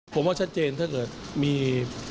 ผมว่าชัดเจนถ้าเกิดมี